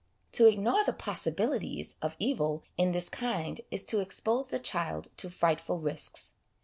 To ignore the possibilities of evil in this kind is to expose the child to frightful risks.